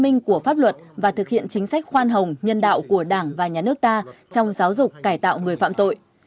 những chính sách khoan hồng nhân đạo của đảng và nhà nước ta trong giáo dục cải tạo người phạm tội